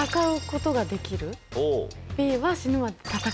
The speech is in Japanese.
Ｂは。